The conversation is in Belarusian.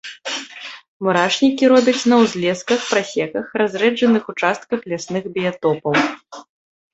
Мурашнікі робяць на ўзлесках, прасеках, разрэджаных участках лясных біятопаў.